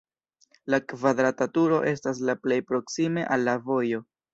La kvadrata turo estas la plej proksime al la vojo.